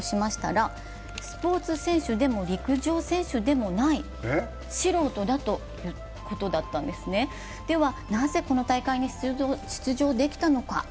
スポーツ選手でも陸上選手でもない、素人だということだったんですでは、なぜこの大会に出場できたのか。